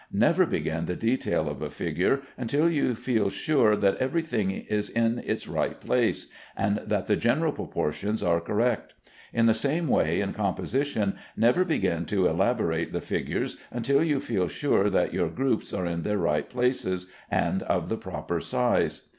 Never begin the detail of a figure until you feel sure that every thing is in its right place, and that the general proportions are correct. In the same way, in composition never begin to elaborate the figures until you feel sure that your groups are in their right places and of the proper size.